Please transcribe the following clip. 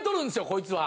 こいつは。